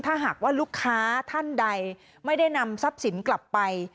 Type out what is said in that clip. ถ้าหากว่าลูกค้าท่านใดไม่ได้นำทรัพย์สินกลับไป